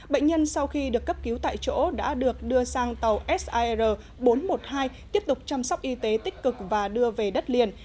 bệnh nhân sau khi được cấp cứu tại chỗ đã được đưa sang tàu sir bốn trăm một mươi hai tiếp tục chăm sóc y tế tích cực và đưa về đất liền